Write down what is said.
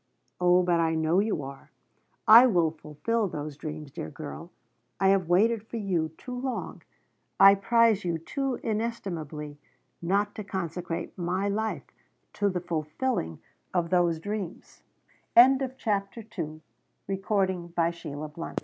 Oh but I know you are. I will fulfill those dreams, dear girl. I have waited for you too long, I prize you too inestimably not to consecrate my life to the fulfilling of those dreams." CHAPTER III KARL He was one of the men who go before.